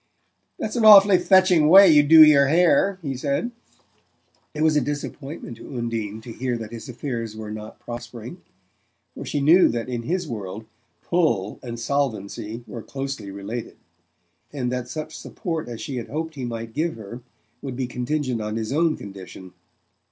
"That's an awfully fetching way you do your hair," he said. It was a disappointment to Undine to hear that his affairs were not prospering, for she knew that in his world "pull" and solvency were closely related, and that such support as she had hoped he might give her would be contingent on his own situation.